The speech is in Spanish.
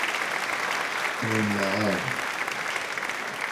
En la Av.